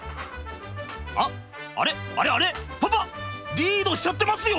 リードしちゃってますよ！？